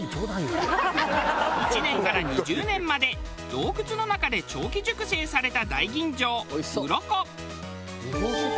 １年から２０年まで洞窟の中で長期熟成された。